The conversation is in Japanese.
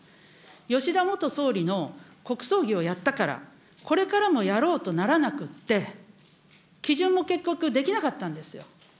吉田元総理の国葬儀をやったから、これからもやろうとならなくって、基準も結局出来なかったんですよ。